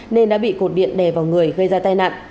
nên đã bị cột điện đè vào người gây ra tai nạn